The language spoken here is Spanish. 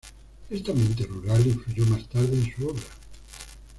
Este ambiente rural influyó más tarde en su obra.